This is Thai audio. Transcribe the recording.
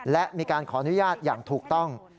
และมีการขออนุญาตอย่างถูกต้อง